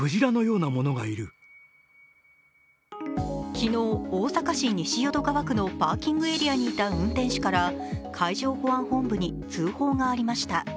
昨日、大阪市西淀川区のパーキングエリアにいた運転手から海上保安本部に通報がありました。